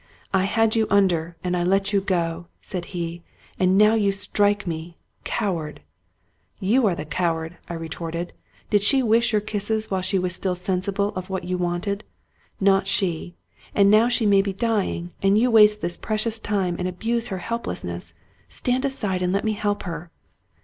" I had you under, and I let you go," said he ;" and now you strike me ! Coward !"" You are the coward," I retorted. " Did she wish your kisses while she was still sensible of what you wanted? Not she ! And now she may be dying ; and you waste this precious time, and abuse her helplessness. Stand aside, and let me help her."